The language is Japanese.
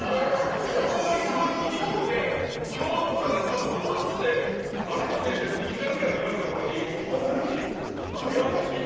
ここが一番行きにくくて京都からバスと電車で２時間くらいかかるところに。